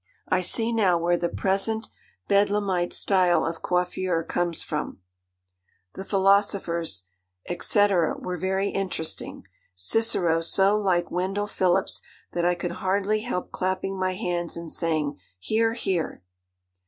I see now where the present bedlamite style of coiffure comes from. 'The philosophers, &c., were very interesting. Cicero so like Wendell Phillips that I could hardly help clapping my hands and saying, "Hear! hear!"